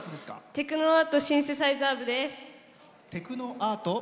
テクノアートシンセサイザー部？